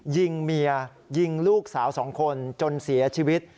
ยิงเมียยิงลูกสาวสองคนจนเสียชีวิต